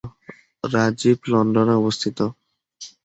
রাজীব লন্ডনে অবস্থিত।